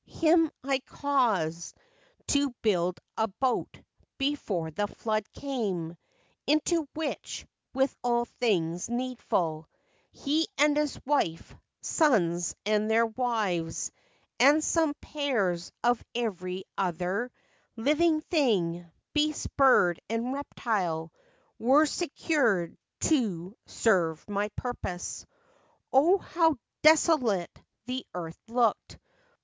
Him I caused to Build a boat before the flood came, Into which, with all things needful, He and his wife, sons and their wives, And some pairs of every other Living thing, beast, bird, and reptile, Were secured to serve my purpose. " O, how desolate the earth looked